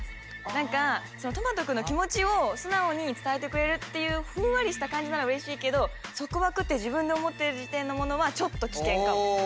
何かとまと君の気持ちを素直に伝えてくれるっていうふんわりした感じならうれしいけど束縛って自分で思ってる時点のものはちょっと危険かも。